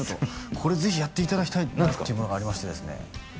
これぜひやっていただきたいなっていうものがありましてですね